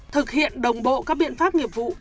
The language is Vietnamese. được hiện đồng bộ các biện pháp nghiệp vụ